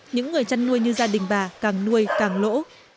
những người chăn nuôi như gia đình bà càng nuôi càng lỗ